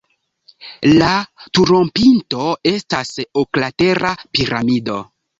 La turopinto estas oklatera piramido.